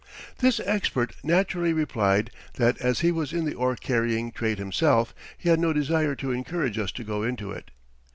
This expert naturally replied that as he was in the ore carrying trade himself, he had no desire to encourage us to go into it.